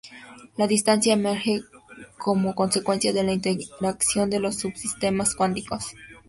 La distancia emerge como consecuencia de la interacción de los subsistemas cuánticos.